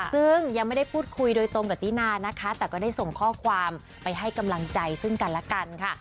ซึ่งยังไม่ได้พูดคุยโดยตรงกับตินานะคะแต่ก็ได้ส่งข้อความไปให้กำลังใจซึ่งกันและกันค่ะ